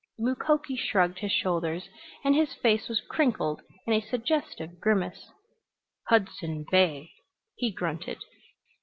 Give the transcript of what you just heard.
Mukoki shrugged his shoulders and his face was crinkled in a suggestive grimace. "Hudson Bay," he grunted.